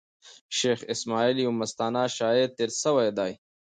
شېخ اسماعیل یو مستانه شاعر تېر سوﺉ دﺉ.